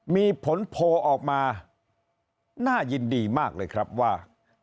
มีผลโพลออกมาน่ายินดีมากเลยครับว่า